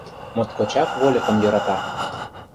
Моткочак вольыкым йӧрата.